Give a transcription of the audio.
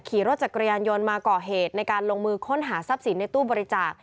ขี่รถจักรยานยนต์มาก่อเหตุในการลงมือค้นหาทรัพย์สินในตู้บริจาค